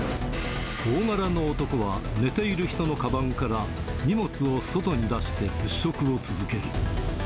大柄の男は、寝ている人のかばんから荷物を外に出して物色を続ける。